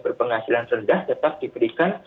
berpenghasilan rendah tetap diberikan